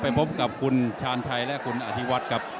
พบกับคุณชาญชัยและคุณอธิวัฒน์ครับ